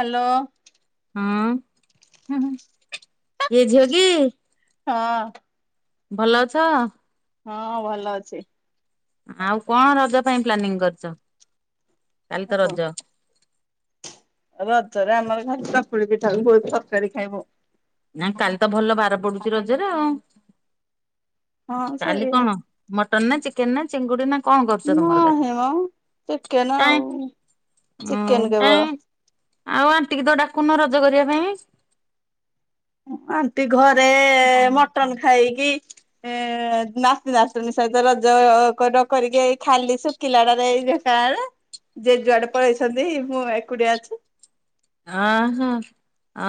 Hello. ହଁ, ହୁଁ, ହୁଁ। ଇଏ ଝିଅ କି? ହଁ। ଭଲ ଅଛ? ହଁ, ଭଲ ଅଛି। ଆଉ, କଣ ରଜ ପାଇଁ ପ୍ଲାନିଂ କରିଛ? କାଲି ତ ରଜ। ରଜରେ ଆମର ଘରେ ଚକୁଳି ପିଠା କୁ ବହୁତ ତରକାରୀ ଖାଇବୁ। ନା, କାଲି ତ ଭଲ ବାର ପଡୁଛି ରଜରେ, ଆଉ ହଁ କାଲି ସେଇ କଣ ମଟନ, ନା ଚିକେନ, ନା ଚିଙ୍ଗୁଡି ନା କଣ କରୁଛ ତମର କାଲି? ନାହିଁ ମ ଚିକେନ ଆଉ କାଇଁ, ଚିକେନ ଆଉ କେବଳ। କାଇଁ ଆଉ ଆଣ୍ଟିକି ତ ଡାକୁନ, ରଜ କରିବା ପାଇଁ? ଆଣ୍ଟି ଘରେ ମଟନ ଖାଇକି ନାତି ନାତୁଣୀ ସହିତ ରଜ କରିକି, ଏଇ ଖାଲି ଶୁଖିଲା ଟାରେ ଏଇ ଦେଖାହେଲା। ଯେ, ଯୁଆଡେ ପଳେଇଛନ୍ତି। ମୁଁ ଏକୁଟିଆ ଅଛି। ଆ, ହଁ।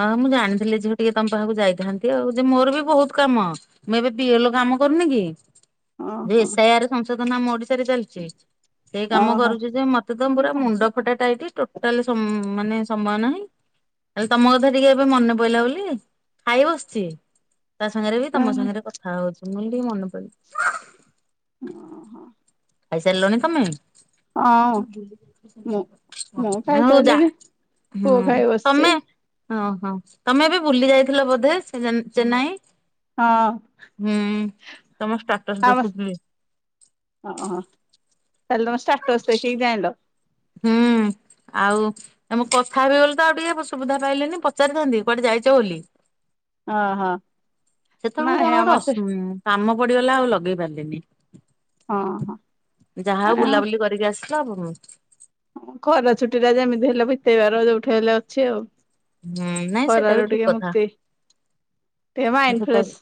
ଆ ମୁଁ ଜାଣିଥିଲେ ଝିଅ ଟିକେ ତମ ପାଖକୁ ଯାଇଥାନ୍ତି। ଆଉ ଯେ, ମୋର ବି ବହୁତ କାମ। ମୁଁ, ଏବେ ପିଏଲ୍ କାମ କରୁନି କି? ଯେ, ଓହୋ ଏସ୍ଆଇଆର ସଂଶୋଧନ ଆମ ଓଡିଶାରେରେ ଚାଲିଛି, ସେଇ କାମ ଓହୋ କରୁଛି ଯେ, ମତେ ମତେ ତ ପୁରା ମୁଣ୍ଡ ଫଟା ଟାଇଟ, ଟୋଟାଲ ସମ୍, ମାନେ ସମୟ ନାହିଁ। ହେଲେ, ତମ କଥା ଟିକେ ଏବେ ମନେ ପଡିଲା ବୋଲି, ଖାଇ ବସିଛି। ତା ସାଙ୍ଗରେ ବି, ତମ ଓହୋ ସାଙ୍ଗରେ କଥା ହଉଛି। ମୁଁ କହିଲି ଟିକେ ମନେ ପଇଲା। ଅହ। ଖାଇସାରିଲନି ତମେ ହଁ ମୁଁ ମୁଁ ହଉ ଯା। ଖାଇସାରିଲିଣି ପୁଅ ହୁଁ, ଖାଇ ବସିଛି। ତମେ? ହଁ ହଁ ତମେ ଏବେ ବୁଲି ଯାଇଥିଲ ବୋଧେ ସେ ଚେନ୍ନାଇ? ହଁ ହୁଁ, ତମ ଷ୍ଟାଟସ୍ ଦେଖୁଥିଲି। ଓହ ତାହେଲେ ତମେ ତାଷ୍ଟସ ଦେଖି ଜାଣିଲ? ହୁଁ ଆଉ ତମ କଥା ହେବି ଗଲେ ତ ଆଉ ଟିକେ ସୁବିଧା ପାଇଲେନି ପଚାରିଥାନ୍ତି କୁଆଡେ ଯାଇଛ ବୋଲି? ଅ ହଁ। ସେତେବେଳକୁ କଣ ଗୋଟେ ଅସୁ କାମ ପଡିଗଲା ଆଉ ଲଗେଇ ପାରିଲିନି। ହଁ ହଁ ଯାହା ହଉ ଆ ବୁଲାବୁଲି କରିକି ଆସିଲ, [inaudible] ଖରା ଛୁଟି ଟା ଯେମିତି ହେଲେ ବିତେଇବାର ଯୋଉଠି ହେଲେ ଅଛି ଆଉ ନାଇଁ ସେଟା ବି ଖରାରୁ ଠିକ ଟିକେ କଥା ମୁକ୍ତି ଟିକେ ମାଇଣ୍ଡ ସେଟା ଫ୍ରେଶ।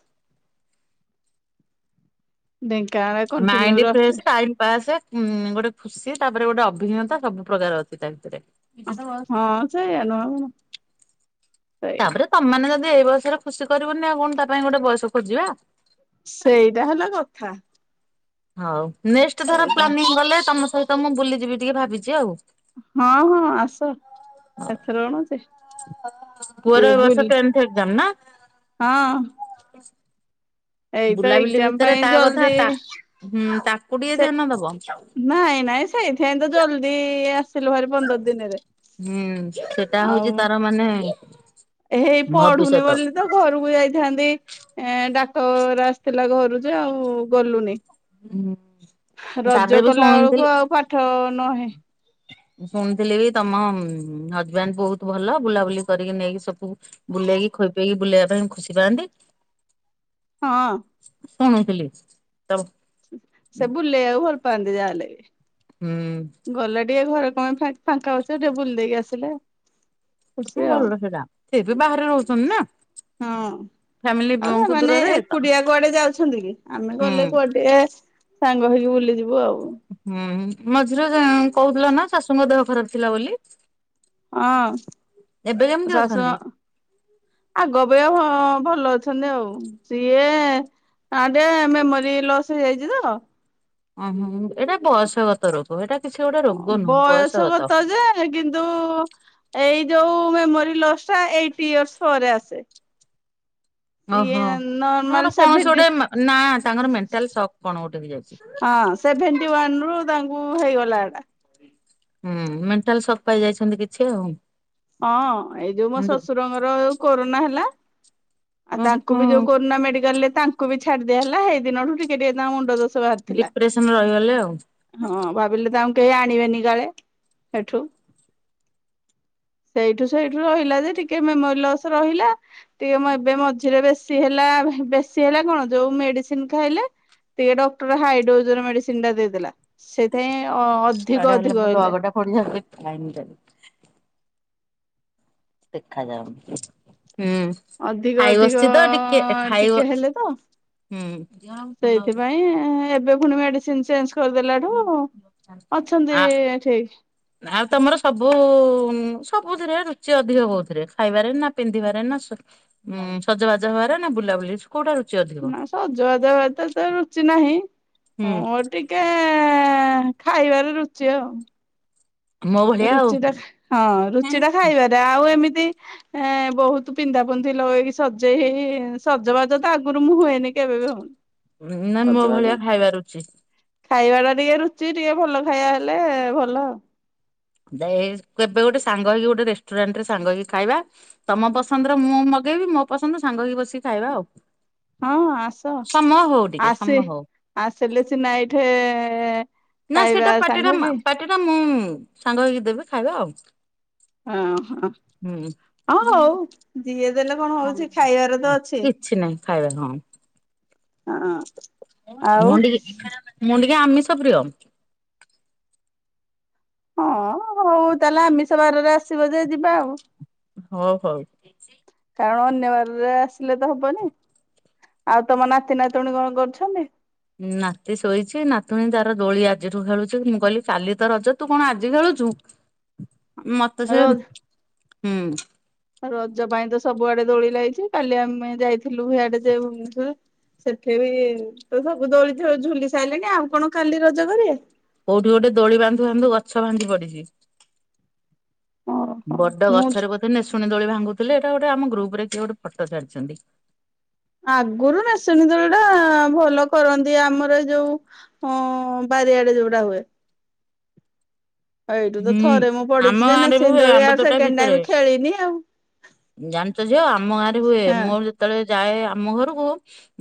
ଢେଙ୍କାନାଳ କଣ୍ଟିନ୍ୟୁ ମାଇଣ୍ଡ ର ଫ୍ରେଶ ଟାଇମ ପାସ। ହୁଁ ଗୋଟେ ଖୁସି ତାପରେ ଗୋଟେ ଅଭିଜ୍ଞତା ସବୁ ପ୍ରକାର ଅଛି ତା ଭିତରେ। ହଁ ସେଇଆ ନୁହ ଆଉ କଣ? ସେଇଆ ତାପରେ ତମେ ଯଦି ଏଇ ବୟସରେ ଖୁସି କରିବନି ଆଉ କଣ ତା ପାଇଁ ଗୋଟେ ବୟସ ଖୋଜିବା? ସେଇଟା ହେଲା କଥା। ହଉ ନେଷ୍ଟ ଥର ସେଇଟା ପ୍ଲାନିଂ କଲେ ତମ ସହିତ ମୁଁ ବୁଲିଯିବି ଟିକେ ଭାବିଛି ଆଉ। ହଁ ହଁ ଆସ ଏଥରେ କଣ ଅଛି? ଯେ ପୁଅର ଏ ବର୍ଷ ବୁଲି ଟେନ୍ଥ ଏକ୍ସାମ ନା? ହଁ। ଏଇତ ବୁଲାବୁଲି ଏକ୍ଜାମ ଭିତରେ ପାଇଁ ତା କଥା ଜଲଦି ତା ହୁଁ ତାକୁ ଟିକେ ସେ ଧ୍ୟାନ ଦବ। ନାଇଁ ନାଇଁ ସେଇଥିାଇଁ ତ ଜଲଦି ଆ ଲ ଭାର ପନ୍ଦର ଦିନରେ। ହୁଁ ସେଟା ହଉଛି ଆଉ ତାର ମାନେ ହେଇ ପଢୁନି ଭବିଷ୍ୟତ। ବୋଲି ତ ଘରକୁ ଯାଇଥାନ୍ତି ଏ ଡାକର ଆସିଥିଲା ଘରୁ ଯେ ଆଉ ଗଲୁନି। ତାପରେ ରଜ ବି କଲା ଶୁଣିଥିଲି ବେଳକୁ ଆଉ ପାଠ [unintelligible] ଶୁଣିଥିଲି ବି ତମ ହଜବେଣ୍ଡ ବହୁତ ଭଲ ବୁଲାବୁଲି କରିକି ନେଇକି ସବୁ ବୁଲେଇକି ଖୋଇ ପଇକି ବୁଲେଇବା ପାଇଁ ଖୁସି ପାଆନ୍ତି। ହଁ ଶୁଣିୁଥିଲି ତବୁ ସେ ବୁଲେଇବାକୁ ଭଲ ପାଆନ୍ତି ଯାହା ହେଲେ। ହୁଁ ଗଲା ଟିକେ ଘରେ କେ ଫାଙ୍କା ଅଉଛ ଟିକେ ବୁଲ ଦେଇକି ଆସିଲେ। ଖୁସି ଆଉ ଭଲ ସେଇଟା ସେ ବି ବାହାରେ ରହୁଛନ୍ତି ନା? ହଁ ଆଉ ଫ୍ୟାମିଲିଙ୍କୁ ସେମାନେେ ଦୂରରେ ତ ଏକୁଟିଆ କୁଆଡେ ଯାଉଛନ୍ତି କି ଆମେ ହୁଁ ଗଲେ କୁଆଡିଆ ସାଙ୍ଗ ହେଇକି ବୁଲିଯିବୁ ଆଉ। ହୁଁ ମଝିରେ କହୁଥିଲ ନା ଶାଶୁଙ୍କ ଦେହ ଖରାପ ଥିଲା ବୋଲି? ହଁ ଏବେ କେମିତି ଅଛନ୍ତି? [inaudible] ଆଗ ଆପେଜ୍ଞା ଭଲ ଅଛନ୍ତି ଆଉ। ସିଏ ଆ ଟ ମେମୋରି ଲସ୍ ହେଇଯାଇଛି ତ ଓ ହୋ ଏଇଟା ବୟସଗତ ରୋଗ ଏଇଟା କିଛି ଗୋଟେ ରୋଗ ନୁହଁ ବୟସଗତ। କିନ୍ତୁ ଏଇ ଯୋଉ ମେମୋରି ଲସ୍ ଟା ଏଇଟି ଇୟର୍ସ ପରେ ଆସେ। ଇଏ ଓହୋ ନର୍ମାଲ ତାଙ୍କର କୌଣସି ସେଭେଣ୍ଟି ଗୋଟେ ନା ତାଙ୍କର ମେଣ୍ଟାଲ ସକ୍ କଣ ଗୋଟେ। [inaudible] ହଁ ସେଭେଣ୍ଟି ୱାନ ରୁ ତାଙ୍କୁ ହେଇଗଲା ଏଟା। ହୁଁ ମେଣ୍ଟାଲ ସକ୍ ପାଇ ଯାଇଛନ୍ତି କିଛି ଆଉ। ହଁ ଏଇ ଯୋଉ ମୋ ଶ୍ୱଶୁରଙ୍କର ଯୋଉ କୋରୋନା ହେଲା। ଆଉ ଉଁ ତାଙ୍କୁ ବି ଯୋଉ ହୁଁ କରୋନା ମେଡିକାଲ ରେ ତାଙ୍କୁ ବି ଛାଡିଦିଆ ହେଲା ସେଇ ଦିନଠୁ ଟିକେ ଟିକେ ତା ମୁଣ୍ଡ ଦୋଷ ଥିଲା ଡିପ୍ରେସନ ରହିଗଲେ ଆଉ। ହଁ ବିଲେ ତାଙ୍କୁ କେହି ଆଣିବେନି କାଳେ, ହେଠୁ? ସେଇଠୁ ସେଇଠୁ ରହିଲା ଯେ ଟିକେ ମେମୋରି ଲସ୍ ରହିଲା। ଟିକେ ଏବେ ମଝିରେ ବେଶୀ ହେଲା। ବେଶୀ ହେଲା କଣ ଯୋଉ ମେଡିସିନ ଖାଇଲେ ଟିକେ ଡକ୍ଟର ହାଇଡ୍ରୋଜର ମେଡିସିନ ଟା ଦେଇ ଦେଲା। ସେଥିାଇଁ ଆରେ ହେଲେ ମୁଁ ଲଗଟା ପଡିିି ଯାଉଛି। ଖାଇନିଲି ଦେଖାଯାଉନି। ହୁଁ ଅଧିକ, ଖାଇ ଅଧିକ ବସିଛି ତ ଟିକେ ଖାଇବ ଟିକେ ହେଲେ ତ। ହୁଁ ସେଇଥିପାଇଁ ଏବେ ପୁଣି ମେଡିସିନ ଚେଞ୍ଜ କରିଦେଲା ଠୁ ଅଛନ୍ତି ଆ ଏଠି। ଆଉ ତମର ସବୁ ସବୁଥିରେ, ରୁଚି ଅଧିକ କେଉଥିରେ? ଖାଇବାରେ ନା ପିନ୍ଧିବାରେ ନା, ଉଁ ସଜବାଜ ହବାରେ ନା, ବୁଲାବୁଲି କୋଉଟା ରୁଚି ଅଧିକ? ନା, ସଜ ବାଜ ହେବାରେ ଏତେ ତ ରୁଚି ନାହିଁ। ହୁଁ ହଁ, ଟିକେ କେ---ଖାଇବାରେ ରୁଚି ଆଉ। ମୋ ଭଳିଆ ଆଉ। ରୁଚି ଟା, ହଁ ରୁଚି ଟା ନା ଖାଇବାରେ, ଆଉ ଏମିତି ଏଁ, ବହୁତ ପିନ୍ଧା ପୁନ୍ଧି ଲଗେଇକି ସଜେଇ ହେଇ, ଉଁ, ସଜବାଜ ତ ଆଗରୁ ମୁଁ ହୁଏନି କେବେ ବି ହ ହଁ। ଉଁ, ଉଁ, ନା ମୋ ଭଳିଆ ଖାଇବା ରୁଚି? ଖାଇବା ଟା ଟିକେ ରୁଚି, ଟିକେ ଭଲ ଖାଇବା ହେଲେ ଭଲ। ଦେ-କେବେ ଗୋଟେ ସାଙ୍ଗ ହେଇକି ଗୋଟେ ରେଷ୍ଟୁରାଣ୍ଟ ରେ ସାଙ୍ଗ ହେଇକି ଖାଇବା। ତୋମ ପସନ୍ଦ ର ମୁଁ ମଗେଇବି। ମୋ ପସନ୍ଦ ସାଙ୍ଗ ହେଇ ବସିକି ଖାଇବା ଆଉ। ଆଉ ହଁ ଆସ ସମୟ ହଉ ଟିକେ, ଆସେ ସମୟ ହଉ। ଆସିଲେ ସିନା ଏଇଠି ଖାଇବା ସାଙ୍ଗ ହେଇକି। ଏଟା ମୁଁ, ସାଙ୍ଗ ହେଇକି ଦେବି ଖାଇବା ଆଉ। ହଁ, ହଁ। ହୁଁ। ହଁ ହଉ ଯିଏ ଦେଲେ କଣ ହଉଛି, ଖାଇବାର ତ ଅଛି। କିଛି ନାହିଁ ଖାଇବା ହଁ ହଁ। ଆଉ ମୁଁ, ଟିକି ମୁଁ, ଟିକିଏ ଆମିଷ ପ୍ରିୟ। ହଁ, ହଉ ତାହେଲେ ଆମିଷ ବାରରେ ଆସିବ ଯେ ଯିବା ଆଉ। ହୋ ହଉ। କାରଣ ଅନ୍ୟ ବାରରେ ଆସିଲେ ତ ହବନି। ଆଉ ତୋମ ନାତି ନାତୁଣୀ କଣ କରୁଛନ୍ତି? ନାତି ଶୋଇଛି। ନାତୁଣୀ ତାର ଦୋଳି ଆଜିଠୁ ଖେଳୁଛି। ମୁଁ କହିଲି କାଲି ତ ରଜ ତୁ କଣ ଆଜି ଖେଳୁଛୁ। [inaudible] ମୋତେ ସେ, ରଜ ହୁଁ ରଜ ପାଇଁ ତ ସବୁଆଡେ ଦୋଳି ଲାଗିଛି। କାଲି ଆମେ ଯାଇଥିଲୁ ହିଆଡେ ଯେ ଭୁବନେଶ୍ୱର ସେଠି ବି ତ ସବୁ ଦୋଳି ଥାଉ ଝୁଲି ସାଇଲେଣି ଆଉ କଣ କାଲି ରଜ କରିବେ। କୋଉଠି ଗୋଟେ ଦୋଳି ବାନ୍ଧୁ ବାନ୍ଧୁ ଗଛ ଭାଙ୍ଗି ପଡିଛି। ଓହୋ ବଡ ମୁଁ ଗଛରେ ବୋଧେ ନିସୁଣୀ ଦୋଳି ବାନ୍ଧୁ ଥିଲେ। ଏଟା ଗୋଟେ ଆମ ଗ୍ରୁପ୍ ରେ କିଏ ଗୋଟେ ଫଟୋ ଛାଡିଛନ୍ତି। ଆଗୁରୁ ନେସୁଣି ଦୋଳି ଟା ଭଲ କରନ୍ତି ଆମର ଏ ଯୋଉ ହଁ ବାରିଆଡେ ଯୋଉଟା ହୁଏ। ଏଇଠୁ ତ ହୁଁ ଥରେ ମୁଁ ଆମ ପଡିଛି ଯେ ଗାଁରେ ବି ନେସିଣୀ ହୁଏ ଦୋଳି ଆମ୍ବ ଆଉ ତୋଟା ସେକେଣ୍ଡ ଟାଇମ୍ ଖେଳିନି ଆଉ। ଜାଣିଚ ଝିଅ ଆମ ଗାଁରେ ହୁଏ। ହଁ ମୋର ଯେ ତେଳେ ଯାଏ ଆମ ଘରକୁ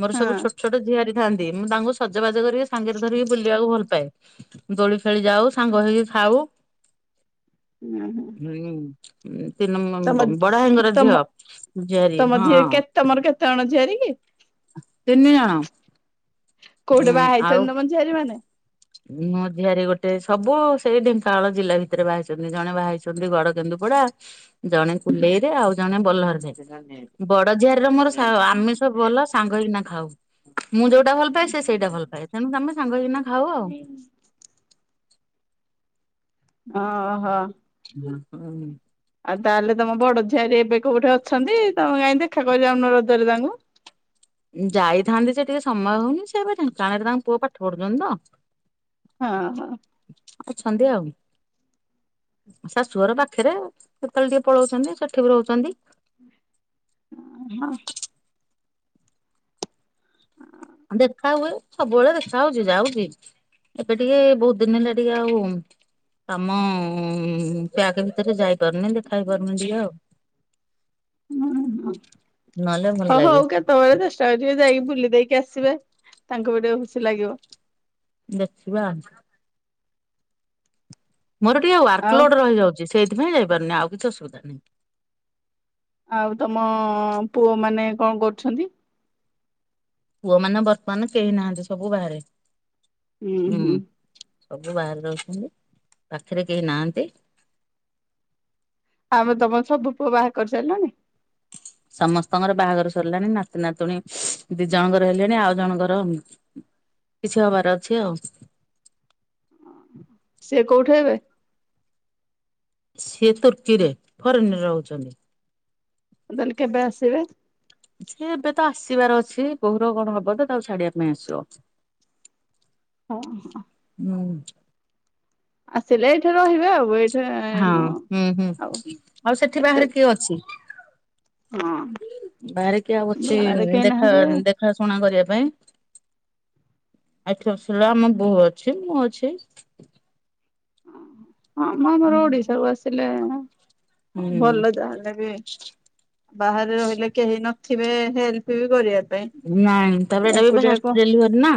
ମୋର ହଁ ସବୁ ଛୋଟ, ଛୋଟ ଝିଆରୀ ଥାଆନ୍ତି, ମୁଁ ତାଙ୍କୁ ସଜବାଜ କରିକି ସାଙ୍ଗରେ ଧରିକି ବୁଲିବାକୁ ଭଲ ପାଏ। ଦୋଳି ଖେଳି ଯାଉ, ସାଙ୍ଗ ହେଇକି ଖାଉ। ହୁଁ। ହୁଁ, ଉଁ, ତିନି ତମ ନମବ ବଡ଼ ଭାଇଙ୍କର ଝିଅ, ଝିଆରୀ ହଁ ତୋମର କେତେ ଜଣ ଝିଆରୀ କି? ତିନି ଜଣ। ଉଁ କୋଉଠି ବାହା ଆଉ ହେଇଛନ୍ତି ତୋମ ଝିଆରୀ ମାନେ? ମୋ ଝିଆରୀ ଗୋଟେ, ସବୁ ସେଇ ଢେଙ୍କାନାଳ ଜିଲ୍ଲା ଭିତରେ ବାହା ହେଇଛନ୍ତି। ଜଣେ ବାହା ହେଇଛନ୍ତି ଗଡ଼କେନ୍ଦୁପଡ଼ା। ଜଣେ କୁଲେଇରେ, ଆଉ ଜଣେ ବହ୍ଲରରେ। ବଡ ଝିଆରୀ ର ମୋର ସାଅ ଆମେ ସବୁ ଭଲ ସାଙ୍ଗ ହେଇକିନା ଖାଉ। ମୁଁ ଯୋଉଟା ଭଲ ପାଏ, ସେ ସେଇଟା ଭଲ ପାଏ। ତେଣୁ ଆମେ ସାଙ୍ଗ ହେଇକିନା ଖାଉ ଆଉ। ଓ ହୋ। [inaudible] ଆଉ ତାହେଲେ ତୋମ ବଡ ଝିଆରୀ ଏବେ କୋଉଠି ଅଛନ୍ତି? ତୋମେ କାଇଁ ଦେଖା କରି ଯାଉନ ରଜରେ ତାଙ୍କୁ? ଯାଇଥାନ୍ତି ଯେ ଟିକେ ସମୟ ହଉନି। ସିଏ ଏବେ ଢେଙ୍କାନାଳରେ ତାଙ୍କ ପୁଅ ପାଠ ପଢୁଛନ୍ତି ତ। ହଁ, ହଁ। ଅଛନ୍ତି ଆଉ। ଶାଶୁଘର ପାଖରେ, କେତେବେଳେ ଟିକେ ପଳଉଛନ୍ତି। ସେଠି ବି ରହୁଛନ୍ତି। ଅ ହଁ। ଦେଖା ହୁଏ, ସବୁବେଳେ ଦେଖା ହଉଛି ଯାଉଛି। ଏବେ ଟିକେ ବହୁତ ଦିନ ହେଲା ଟିକେ ଆଉ କାମ-ଅ-ଅ- ପ୍ୟାକ୍ ଭିତରେ, ଯାଇପାରୁନି ଦେଖା ହେଇପାରୁନି ଟିକେ ଆଉ। ହୁଁ, ହୁଁ। ନହେଲେ ଭଲ ହ, ଲାଗେ ହଉ କେତ କେତେବେଳେ ଚେଷ୍ଟା କରିବେ ଯାଇକି ବୁଲି ଦେଇକି ଆସିବେ। ତାଙ୍କୁ ବି ଟିକେ ଖୁସି ଲାଗିବ। ଦେଖିବା। ମୋର ଟିକେ ୱାର୍କ ଆଉ ଲୋଡ୍‌ ରହିଯାଉଛି, ସେଇଥିପାଇଁ ଯାଇପାରୁନି। ଆଉ କିଛି ଅସୁବିଧା ନାହିଁ। ଆଉ ତମ ପୁଅ ମାନେ କଣ କରୁଛନ୍ତି? ପୁଅମାନେ ବର୍ତ୍ତମାନ କେହି ନାହାଁନ୍ତି, ସବୁ ବାହାରେ। ହୁଁ। ସବୁ ବାହାରେ ରହୁଛନ୍ତି, ପାଖରେ କେହି ନାହାଁନ୍ତି। ଆମେ ତମ ସବୁ ପୁଅ ବାହା କରି ସାରିଲଣି? ସମସ୍ତଙ୍କର ବାହାଘର ସରିଲାଣି। ନାତି-ନାତୁଣୀ ଦି ଜଣଙ୍କର ହେଲେଣି, ଆଉ ଜଣଙ୍କର କିଛି ହବାର ଅଛି, ଆଉ। ସେ କୋଉଠି ହେବେ? ସିଏ ତୁର୍କୀରେ, ଫରେନ୍‌ ରେ ରହୁଛନ୍ତି। ତାହେଲେ, କେବେ ଆସିବେ? ସେ ଏବେ ତ ଆସିବାର ଅଛି। ବୋହୁର କଣ ହବ, ତ? ତାକୁ ଛାଡିବା ପାଇଁ ଆସିବ। ହଁ, ହଁ। ହୁଁ। ଆସିଲେ ଏଇଠି ରହିବେ ଆଉ। ଏଠ ହଁ, ହୁଁ, ହୁଁ ଆଉ, ସେଠି ଏତେ ବାହାରେ କିଏ ଅଛି? ହଁ ବାହାରେ କିଏ ଆଉ ଅଛି, ବାହାରେ କେହି ଦେଖ, ନାହାନ୍ତି ଦେଖ ଦେଖା ଶୁଣା କରିବା ପାଇଁ ଆଠ ବର୍ଷ ହେଲା, ଆମ ବୋହୁ ଅଛି, ମୁଁ ଅଛି। ହଁ, ମ ଆମର ଓଡିଶା କୁ ଆସିଲେ ଭଲ ହୁଁ ଯାହେଲେ ବି। ବାହାରେ ରହିଲେ କେହି ନଥିବେ ହେଲ୍ପ ବି କରିଆକୁ। ନାଇଁ, ତାପରେ ଏଇଟା ବି ଫାଷ୍ଟ ଡେଲିଭରି ନା।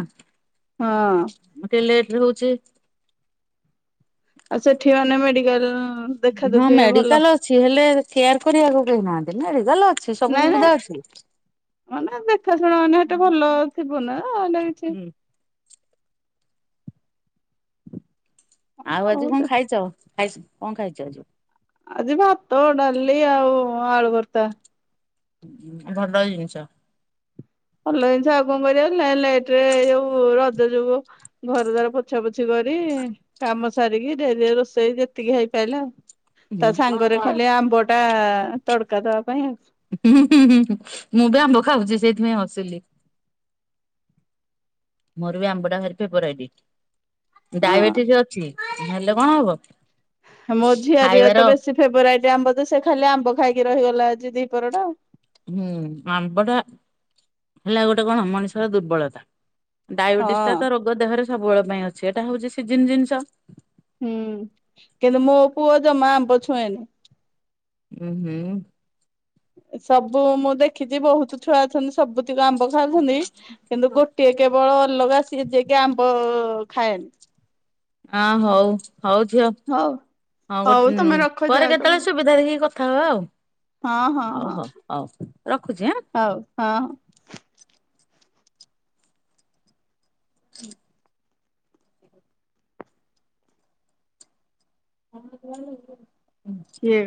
ହଁ। ମତେ ଲେଟରେ ହଉଛି। ଆଉ ସେଠି ମାନେ ମେଡିକାଲ୍‌ ଦେଖା ହଁ ଦେଖି ଭଲ। ମେଡିକାଲ ଅଛି ହେଲେ କେୟାର କରିବାକୁ କେହି ନାହାଁନ୍ତି ନା, ରେଗାଲ ଅଛି, ସବୁ ନାଇଁ ନାଇଁ ସୁବିଧା ଅଛି। ମାନେ, ଦେଖା ଶୁଣା ନିହାତି ଭଲ ଥିବ ନା ଲାଗିଛି। ହୁଁ ଆଉ, ହଉ ଆଜି କଣ ଖାଇଛ? ଖାଇ-କଣ ଖାଇଛ ଆଜି? ଆଜି ଭାତ, ଡ଼ାଲି ଆଉ ଆଳୁ ଭର୍ତ୍ତା। ଭଲ ଜିନିଷ। ଭଲ ଜିନିଷ। ଆଉ କଣ କରିବା ଲେଟ୍ ରେ, ଯୋଉ ରଜ ଯୋଗୁ ଘର ଦ୍ବାର ପୋଛା ପୋଛି କରି, କାମ ସାରିକି ଡେରି ରୋଷେଇ ଯେତିକି ହେଇପାଇଲା। ତା ସାଙ୍ଗରେ ଖାଲି ଆମ୍ବଟା ତଡକା ଦବାପାଇଁ ଆଉ। ହୁଁ, ହୁଁ, ହୁଁ। ମୁଁ ବି ଆମ୍ବ ଖାଉଛି ସେଇଥିପାଇଁ ହସିଲି। ମୋର ବି ଆମ୍ବଟା ଭାରି ଫେବରାଇଟି। ଆଉ ଡାଇବେଟିସ ଅଛି ହେଲେ କଣ ହବ। ମୋ ଖାଇବାର ଝିଆରିରତ ବେଶୀ ଫେବରାଇଟ ଆମ୍ବ ଯେ ସେ ଖାଲି ଆମ୍ବ ଖାଇକି ରହିଗଲା ଆଜି ଦିପହରଟା ଆଉ। ହୁଁ ଆମ୍ବଟା ହେଲା ଗୋଟେ କଣ ମଣିଷର ଦୁର୍ବଳତା। ହଁ ଡାଇବେଟିସଟାତ ରୋଗ ଦେହରେ ସବୁବେଳେ ପାଇଁ ଅଛି ଏଟା ହଉଚି ସିଜିିନ ଜିନିଷ। ହୁଁ କିନ୍ତୁ ମୋପୁଅ ଜମା ଆମ୍ବ ଛୁଏଁନି। ଉୁଁ ହୁଁ। ସବୁ ମୁଁ ଦେଖିଚି ବହୁତ୍ ଛୁଆ ଅଛନ୍ତି ସବୁତିକ ଆମ୍ବ ଖାଉଚନ୍ତି। କିନ୍ତୁ ଗୋଟିଏ କେବଳ ଅଲଗା ସିଏ ଯିଏକି ଆମ୍ବ ଖାଏନି। ଆଁ ହଉ, ହଉ ଝିଅ ହଉ ହଁ ହଉ ଗୋଟେ ତମେ ରଖ ପରେ ଯାଅ ତମ କେତେବେଳେ ସୁବିଧାଦେଖି କ କଥା ହବା ହଁ ହଁ ଆଉ ହଁ ହଉ ହଉ ହଉ ରଖୁଚି ଆଁ। ହଉ ହଁ। [inaudible] [unintelligible] କିଏ?